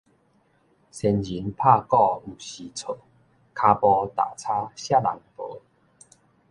仙人拍鼓有時錯，跤步踏差啥人無